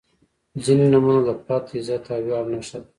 • ځینې نومونه د پت، عزت او ویاړ نښه ده.